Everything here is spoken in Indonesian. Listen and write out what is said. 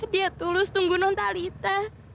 dia tulus tunggu nontalita